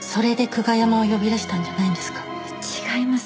違います。